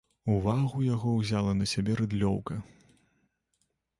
Увагу яго ўзяла на сябе рыдлёўка.